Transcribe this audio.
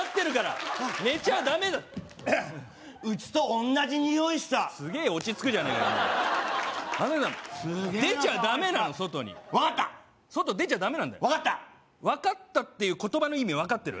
うちと同じにおいしたすげえ落ち着くじゃねえかよ雅紀さん出ちゃダメなの外にすげえなサファリパーク分かった分かった外出ちゃダメなんだよ分かったっていう言葉の意味分かってる？